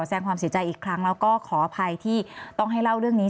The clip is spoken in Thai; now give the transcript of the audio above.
แสดงความเสียใจอีกครั้งแล้วก็ขออภัยที่ต้องให้เล่าเรื่องนี้